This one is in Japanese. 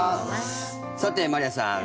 さて、まりあさん